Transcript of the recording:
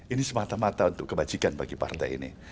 ini semata mata untuk kebajikan bagi partai ini